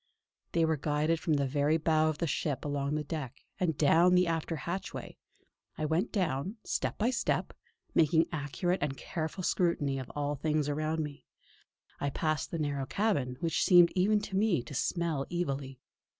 They were guided from the very bow of the ship along the deck, and down the after hatchway. I went down, step by step, making accurate and careful scrutiny of all things around me. I passed into the narrow cabin, which seemed even to me to smell evilly.